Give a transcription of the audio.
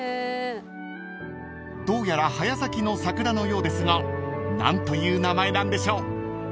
［どうやら早咲きの桜のようですが何という名前なんでしょう］